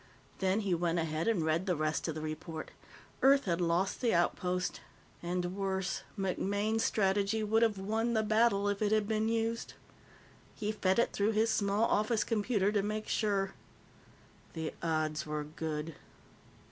Then he went ahead and read the rest of the report. Earth had lost the outpost. And, worse, MacMaine's strategy would have won the battle if it had been used. He fed it through his small office computer to make sure. The odds were good.